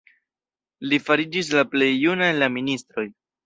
Li fariĝis la plej juna el la ministroj.